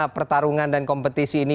pertarungan dan kompetisi ini